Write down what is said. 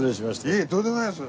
いえとんでもないです。